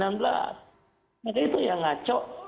maka itu yang ngacau